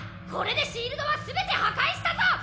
これでシールドはすべて破壊したぞ！